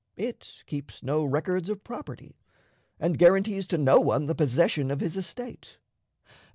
It keeps no records of property, and guarantees to no one the possession of his estate.